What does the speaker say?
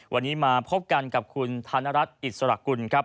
วันนี้มาพบกันกับคุณธนรัฐอิสระกุลครับ